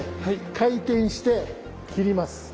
回転して斬ります。